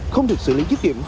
không được xử lý dứt điểm